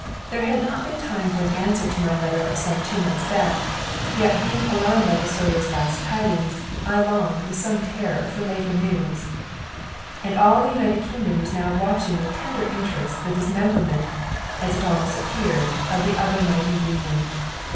There had not been time for any answer to my letter of some two months back, yet being alarmed by the Sawyer's last tidings, I longed, with some terror, for later news. And all the United Kingdom was now watching with tender interest the dismemberment, as it almost appeared, of the other mighty Union.